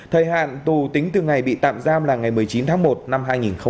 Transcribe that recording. thời hạn tù tính từ ngày bị tạm giam là ngày một mươi chín tháng một năm hai nghìn hai mươi